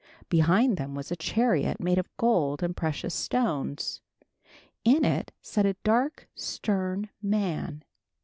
Behind them was a chariot made of gold and precious stones. In it sat a dark, stern man.